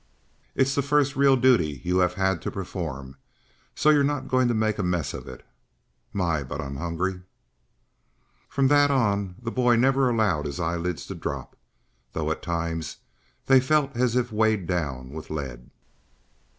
"It's the first real duty you have had to perform, so you're not going to make a mess of it. My, but I'm hungry!" From that on the boy never allowed his eyelids to drop, though at times they felt as if weighted down with lead.